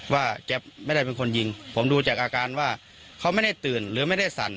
แก๊ปไม่ได้เป็นคนยิงผมดูจากอาการว่าเขาไม่ได้ตื่นหรือไม่ได้สั่น